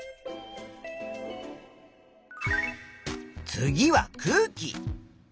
次は空気。